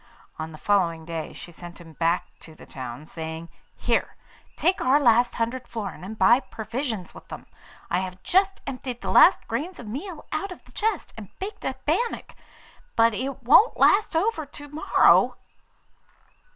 On the following day she sent him back to the town, saying, 'Here, take our last hundred florins, and buy provisions with them. I have just emptied the last grains of meal out of the chest, and baked a bannock; but it won't last over to morrow.